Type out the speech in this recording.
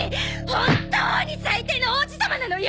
本当に最低の王子様なのよ！！